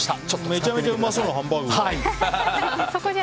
めちゃくちゃうまそうなハンバーグ。